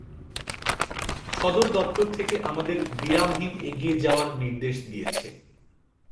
সদর দপ্তর থেকে আমাদের বিরামহীন এগিয়ে যাওয়ার নির্দেশ দিয়েছে।